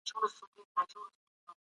د ژوند حق د ټول بشریت لپاره یو شان دی.